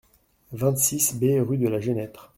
vingt-six B rue de la Genêtre